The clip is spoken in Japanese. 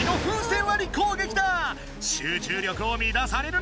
集中力を乱されるな！